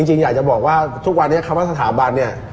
จริงอยากจะบอกว่าทุกวันนี้คำว่าสถาบันเนี่ย